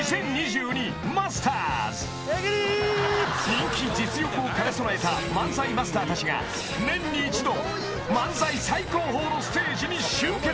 ［人気実力を兼ね備えた漫才マスターたちが年に一度漫才最高峰のステージに集結］